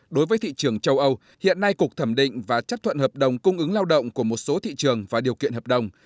đối với thị trường châu âu hiện nay cục thẩm định và chấp thuận hợp đồng cung ứng lao động của một số thị trường và điều kiện hợp đồng